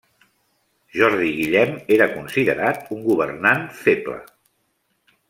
Jordi Guillem era considerat un governant feble.